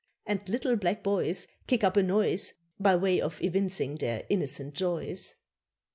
And little black boys Kick up a noise By way of evincing their innocent joys.